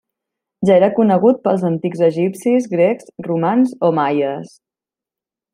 Ja era conegut pels antics egipcis, grecs, romans o maies.